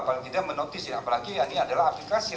paling tidak menotisi apalagi ini adalah aplikasi